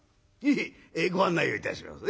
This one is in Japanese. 「ええご案内をいたしますね。